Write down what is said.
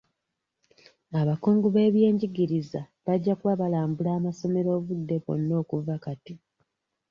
Abakungu b'ebyenjigiriza bajja kuba balambula amasomero obudde bwonna okuva kati.